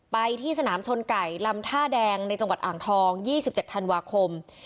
ไปที่สนามชนไก่ลำท่าแดงในจังหวัดอ่างทอง๒๗ธันวาคม